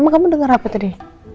kamu denger apa tadi